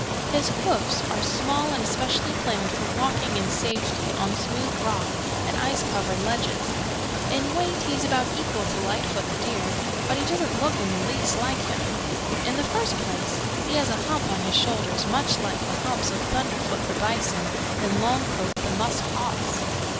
His hoofs are small and especially planned for walking in safety on smooth rock and ice covered ledges. In weight he is about equal to Lightfoot the Deer, but he doesn't look in the least like him. "In the first place he has a hump on his shoulders much like the humps of Thunderfoot the Bison and Longcoat the Musk Ox.